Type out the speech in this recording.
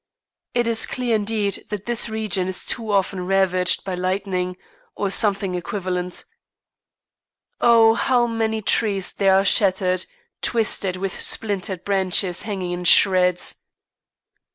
It is clear indeed that this region is too often ravaged by lightning, or something equivalent. Oh, how many trees there are shattered, twisted, with splintered branches hanging in shreds!